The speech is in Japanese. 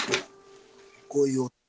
こういう音。